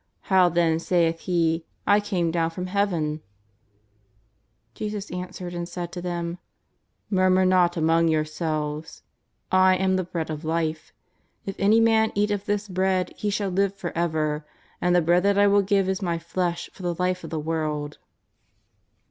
How then saith He :^ I came down from Heaven ?'" Jesus answered and said to them :" Murmur not among yourselves. .. I am the Bread of Life. If any man eat of this Bread he shall live for ever, and the Bread that I will give is My flesh for the life of the world."